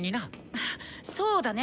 あそうだね！